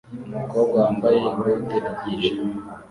Umukobwa wambaye ikote ryijimye